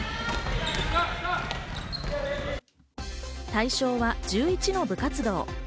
対象は１１の部活動。